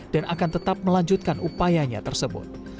dan akan tetap melanjutkan upayanya tersebut